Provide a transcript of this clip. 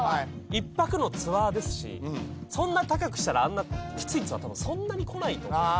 １泊のツアーですしそんな高くしたらあんなきついツアーそんなに来ないと思うんで。